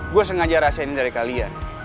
gue sengaja rasa ini dari kalian